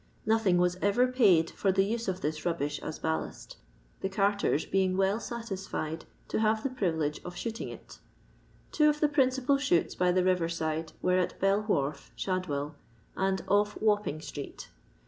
Nothing was erer paid for the use of this rubbish as ballast, the carters being well satisfied to have the privilege of shooting it Two of the principal shoots by the river side were at Bell wharf, Shadwell, and off Wapping street.